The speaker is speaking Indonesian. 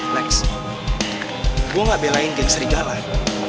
lex gue gak belain geng serigala ya